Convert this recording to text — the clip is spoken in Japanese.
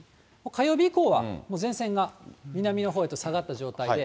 火曜日以降は、もう前線が南のほうへと下がった状態で。